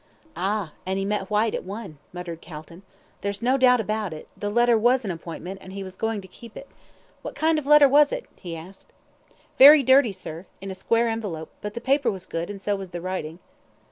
"Ah! and he met Whyte at one," muttered Calton. "There's no doubt about it. The letter was an appointment, and he was going to keep it. What kind of a letter was it?" he asked. "Very dirty, sir, in a square envelope; but the paper was good, and so was the writing."